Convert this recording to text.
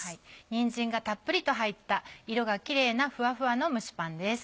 にんじんがたっぷりと入った色がキレイなフワフワの蒸しパンです。